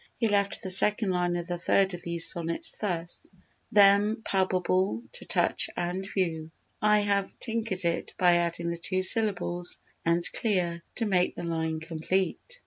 He left the second line of the third of these sonnets thus: "Them palpable to touch and view." I have "tinkered" it by adding the two syllables "and clear" to make the line complete.